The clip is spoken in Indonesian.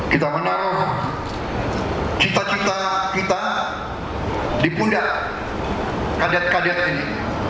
kita menaruh cita cita kita di pundak kadit kadiat ini